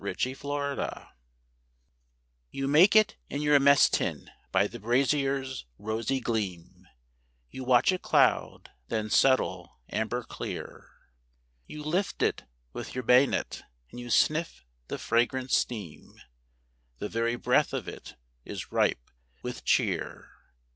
_ A Pot of Tea You make it in your mess tin by the brazier's rosy gleam; You watch it cloud, then settle amber clear; You lift it with your bay'nit, and you sniff the fragrant steam; The very breath of it is ripe with cheer.